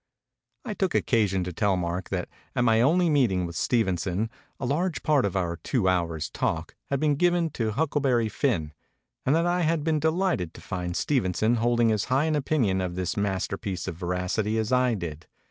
I took occasion to tell Mark that at my only meeting with Stevenson, a large part of our two hours' talk had been given to 'Huckleberry Finn'; and that I had been delighted to find nson holding as high an opinion of this r])iece of veracity as I did.